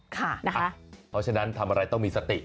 เพราะฉะนั้นทำอะไรต้องมีสติ